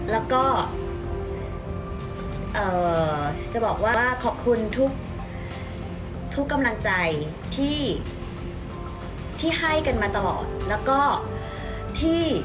แล้วก็จะบอกว่าขอบคุณทุกกำลังใจที่ให้กันมาตลอดแล้วก็ที่